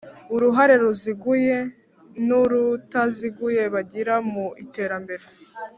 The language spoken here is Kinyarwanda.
uruhare ruziguye n urutaziguye bagira mu iterambere